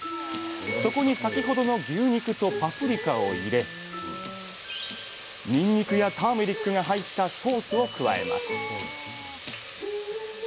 そこに先ほどの牛肉とパプリカを入れにんにくやターメリックが入ったソースを加えます